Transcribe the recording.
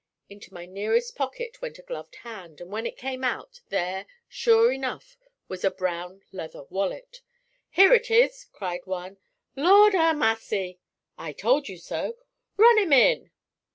Into my nearest pocket went a gloved hand, and when it came out, there, sure enough, was a brown leather wallet. 'Here it is!' cried one. 'Lord a massy!' 'I told you so!' 'Run him in!'